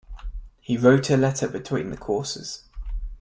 He wrote a letter between the courses.